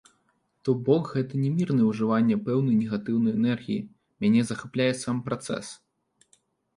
То бок гэта не мірнае ўжыванне пэўнай негатыўнай энергіі, мяне захапляе сам працэс.